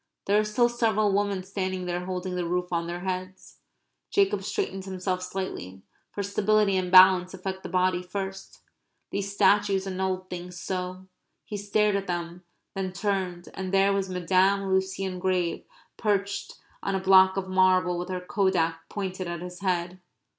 There are still several women standing there holding the roof on their heads. Jacob straightened himself slightly; for stability and balance affect the body first. These statues annulled things so! He stared at them, then turned, and there was Madame Lucien Grave perched on a block of marble with her kodak pointed at his head.